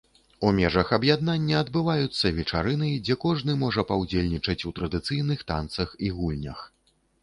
У межах аб'яднання адбываюцца вечарыны, дзе кожны можа паўдзельнічаць у традыцыйных танцах і гульнях.